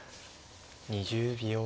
２０秒。